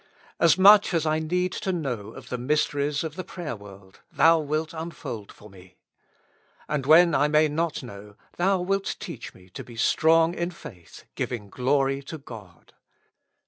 As much as I need to know of the mysteries of the prayer world, Thou wilt unfold for me. And when I may not know, Thou wilt teach me to be strong in faith, giving glory to God.